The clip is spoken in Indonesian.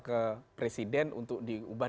ke presiden untuk diubah